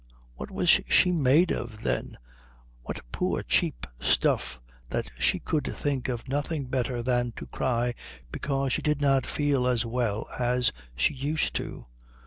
What was she made of, then, what poor cheap stuff, that she could think of nothing better than to cry because she did not feel as well as she used to?